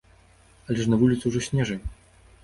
Але ж на вуліцы ўжо снежань.